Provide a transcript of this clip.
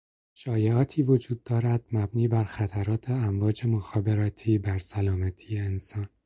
شایعاتی وجود دارد مبنی بر خطرات امواج مخابراتی بر سلامتی انسان